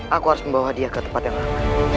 aku harus membawa dia ke tempat yang lain